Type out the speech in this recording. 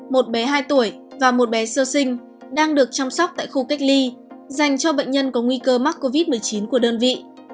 một bé hai tuổi và một bé sơ sinh đang được chăm sóc tại khu cách ly dành cho bệnh nhân có nguy cơ mắc covid một mươi chín của đơn vị